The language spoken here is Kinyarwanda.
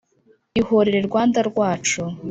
Ihorere Rwanda rwacu